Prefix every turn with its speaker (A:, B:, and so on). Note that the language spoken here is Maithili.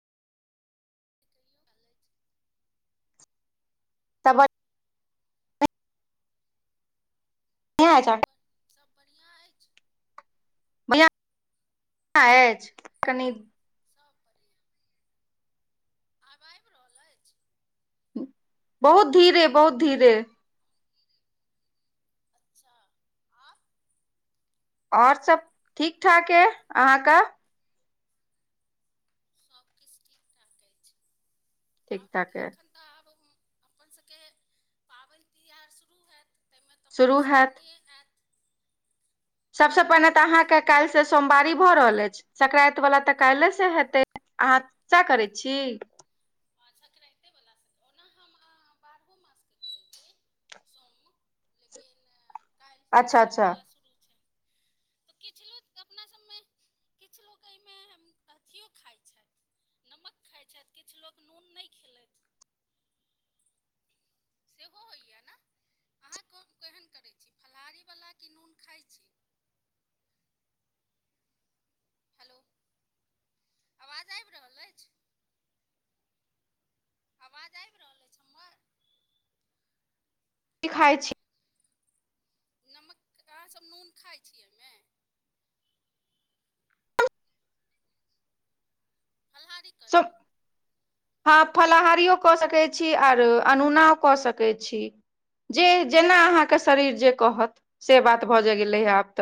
A: कहियो, कालेज।
B: तबैत, [unintelligible] अछि
A: सब बड़, सब बढ़िआँ अछि।
B: बढ़िया अछि, कनी
A: सब बढ़िआँ। आब आबि रहल अछि।
B: बहुत धीरे, बहुत धीरे।
A: धीरे, अच्छा आब
B: और सब ठीक- ठाक है,
A: आब
B: अहाँके?
A: सब किछु ठीक- ठाक अछि,
B: ठीक
A: आओर
B: ठाक अइ
A: एखन तऽ आब अप्पन सबके, पाबनि तिहार शुरू हैयत। तयमे त
B: शुरू
A: मधुश्रामणीे आयत।
B: सबसे पहिने तऽ अहाँके काल्हि से सोमवारी भऽ रहल अछि, संकरानति वाला तऽ काल्हि से हेतै। अहाँ सए करैत छी।
A: हँ सक्रैते बला स ओ। ओना हम अहाँ बारहो मासके करै छी सोम, लेकिन एय काल्हि सँ
B: अच्छा अच्छा
A: सोमवला शुरू छै, तऽ किछु लोक अपना सभ मे किछु लोक एहिमे अथियो खाइत छैथ, नमक खाइत छैथ, किछु लोक नून नहि खेलैथ। सेहो होइए नेए, अहाँ कोन केहन करैत छी, फलाहारीवला कि नून खाय छी। हेलो, आवाज आबि रहल अछि। आवाज आबि रहल अछि हम्मर।
B: की खाय छी।
A: नमक, अहाँ सभ नून खाइ छी अहिमे। फल्हारीक।
B: चुप। हँ फलाहारियो कऽ सकै छी आर अनोनाओ कऽ सकै छी। जे जेना अहाँके शरीर जे कहत से बात भऽ जा गेलैहे आब त।